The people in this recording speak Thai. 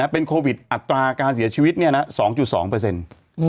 เป็นโควิดอัตราการเสียชีวิต๒๒เปอร์เซ็นต์